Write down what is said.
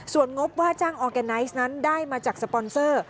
ส่วนงบว่าจ้างออร์แกไนซ์นั้นได้มาจากสปอนเซอร์